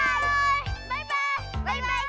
バイバイ！